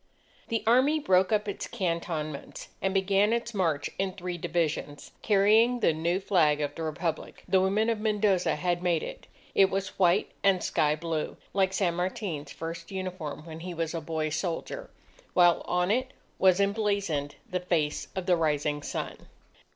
The Army broke up its cantonments, and began its march in three divisions, carrying the new flag of the Republic. The women of Mendoza had made it. It was white and sky blue, like San Martin's first uniform when he was a boy soldier, while on it was emblazoned the face of the Rising Sun.